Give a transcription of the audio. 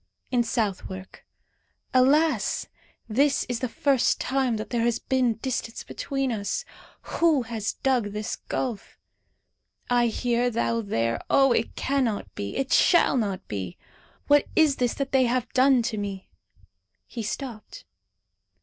In Southwark. Alas! this is the first time that there has been distance between us. Who has dug this gulf? I here, thou there. Oh, it cannot be; it shall not be! What is this that they have done to me?" He stopped.